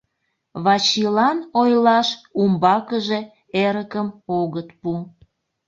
Вачилан ойлаш умбакыже эрыкым огыт пу.